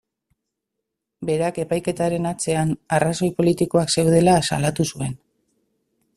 Berak epaiketaren atzean arrazoi politikoak zeudela salatu zuen.